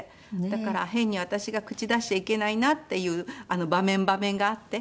だから変に私が口出しちゃいけないなっていう場面場面があって。